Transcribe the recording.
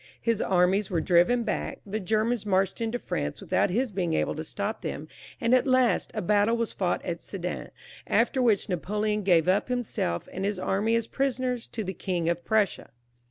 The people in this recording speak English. His armies were driven back, the Germans marched into France with out his being able to stop them, and at last a battle was fought at Sedan, after which Napoleon gave up himself Mid his anny as prisoners to the King of Prussia.